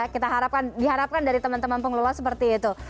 kita harapkan diharapkan dari teman teman pengelola seperti itu